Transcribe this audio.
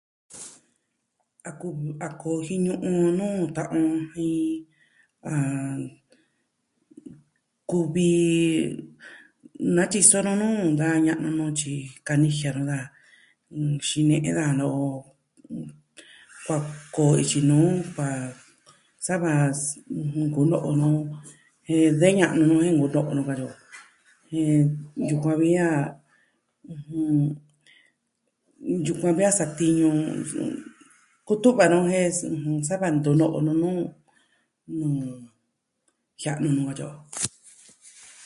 A ku, a kojiñu'u on nuu ta'an on jin, ah... kuvi... naa tyiso nu nuu da ña'nu nu tyi kanijia nuu da nxine'en da no'o, kuaa koo ityi nuu va sava kuno'o nuu jen de ña'nu jen nkunoo nu katyi o. Jen, yukuan vi a, yukuan vi a satiñu kutu'va no'o jen sava ntu no'o nu nuu. Jia'anu nu katyi o.